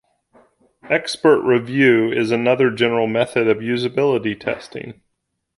Expert review is another general method of usability testing.